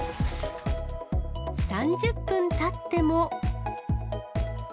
３０分たっても。